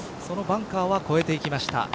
そのバンカーは越えていきました。